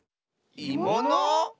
いもの？